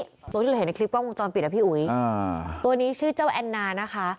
ตัวที่เราเห็นในคลิปกล้องวงจรปิดนะพี่อุ๋ยอ่าตัวนี้ชื่อเจ้าแอนนานะคะ